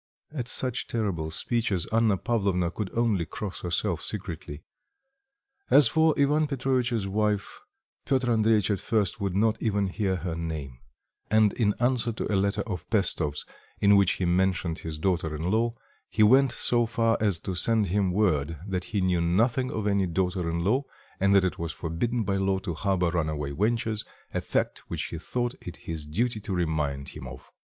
At such terrible speeches Anna Pavlovna could only cross herself secretly. As for Ivan Petrovitch's wife, Piotr Andreitch at first would not even hear her name, and in answer to a letter of Pestov's, in which he mentioned his daughter in law, he went so far as to send him word that he knew nothing of any daughter in law, and that it was forbidden by law to harbour run away wenches, a fact which he thought it his duty to remind him of.